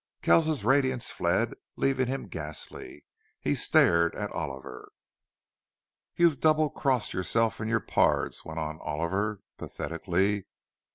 Kells's radiance fled, leaving him ghastly. He stared at Oliver. "You've double crossed yourself an' your pards," went on Oliver, pathetically.